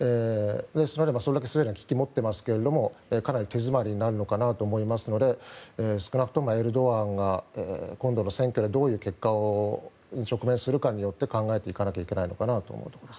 それだけ危機を持っていますがかなり手詰まりになるのかなと思いますので少なくともエルドアンが今度の選挙でどういう結果に直面するかによって考えていかなきゃいけないのかなと思います。